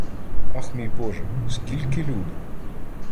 Ах, мій боже! скільки люду